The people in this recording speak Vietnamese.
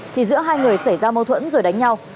thì giữa hai người xảy ra mâu thuẫn rồi đánh nhau